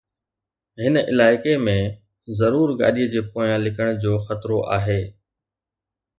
هن علائقي ۾ ضرور گاڏي جي پويان لڪڻ جو خطرو آهي